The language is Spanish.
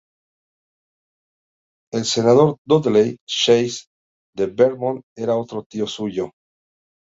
El Senador Dudley Chase de Vermont era otro tío suyo.